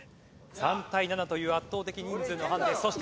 ３対７という圧倒的人数のハンデそして１５点差。